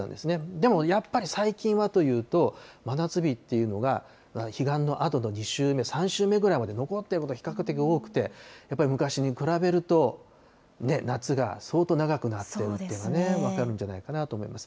でもやっぱり最近はというと、真夏日っていうのが彼岸のあとの２週目、３週目ぐらいまで残ってることが比較的多くて、やっぱり昔に比べると、夏が相当長くなっているというのが分かるんじゃないかなと思います。